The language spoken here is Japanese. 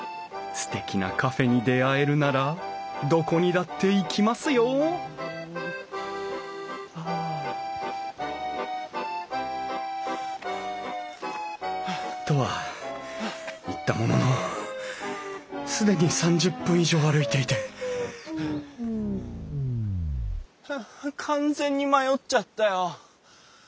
すてきなカフェに出会えるならどこにだって行きますよ！とは言ったものの既に３０分以上歩いていてはあ完全に迷っちゃったよ。